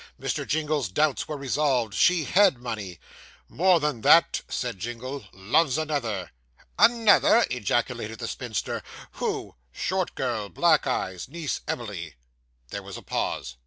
(Mr. Jingle's doubts were resolved. She had money.) 'More than that,' said Jingle 'loves another.' 'Another!' ejaculated the spinster. 'Who?' Short girl black eyes niece Emily.' There was a pause.